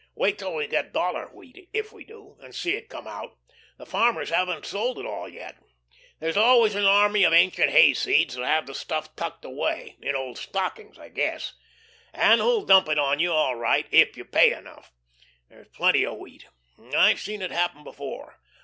"Wait till we get dollar wheat if we do and see it come out. The farmers haven't sold it all yet. There's always an army of ancient hayseeds who have the stuff tucked away in old stockings, I guess and who'll dump it on you all right if you pay enough. There's plenty of wheat. I've seen it happen before.